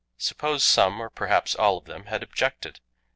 Suppose some, or perhaps all, of them had objected!